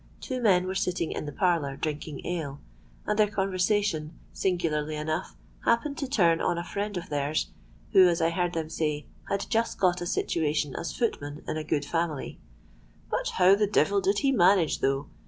Two men were sitting in the parlour, drinking ale; and their conversation, singularly enough, happened to turn on a friend of theirs who, as I heard them say, had just got a situation as footman in a good family.—'But how the devil did he manage, though?'